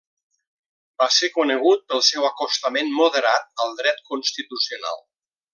Va ser conegut pel seu acostament moderat al Dret constitucional.